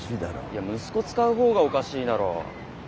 いや息子使う方がおかしいだろ。